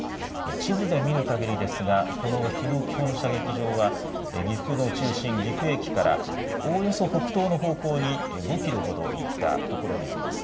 地図で見るかぎりですがこの日野基本射撃場は岐阜の中心岐阜駅からおおよそ北東の方向に５キロほど行ったところにあります。